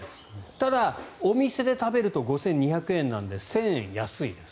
ただ、お店で食べると５２００円なので１０００円安いです。